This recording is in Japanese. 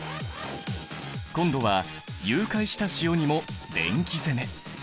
今度は融解した塩にも電気攻め。